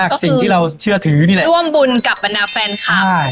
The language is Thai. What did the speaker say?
สิ่งที่เราเชื่อถือนี่แหละร่วมบุญกับบรรดาแฟนคลับใช่